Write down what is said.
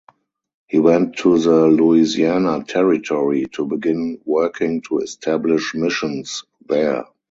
He went to the Louisiana Territory to begin working to establish missions there.